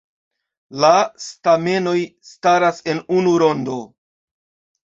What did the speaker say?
La stamenoj staras en unu rondo.